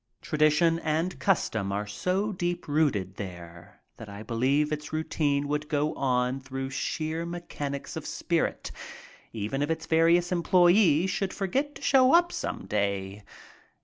Tradition and custom are so deep rooted there that I believe its routine would go on through sheer mechanics of spirit, even if its various employees should forget to show up some day.